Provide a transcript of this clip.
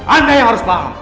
anda yang harus paham